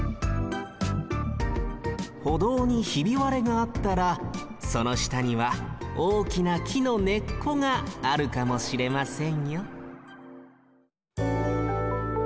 歩道にひびわれがあったらそのしたにはおおきなきのねっこがあるかもしれませんよ